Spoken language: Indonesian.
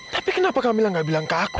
tapi kenapa kamilah nggak bilang ke aku